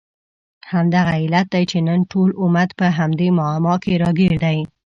همدغه علت دی چې نن ټول امت په همدې معما کې راګیر دی.